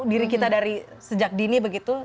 diri kita dari sejak dini begitu